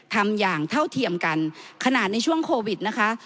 ทำอย่างเท่าเทียมกันขนาดในช่วงโควิดนะคะ